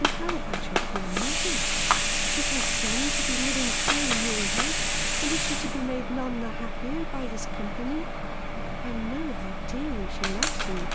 "And how about your poor mother? Is her son to be living so near her, and is she to be made none the happier by his company ? I know how dearly she loves you."